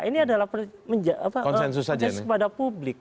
ini adalah akses kepada publik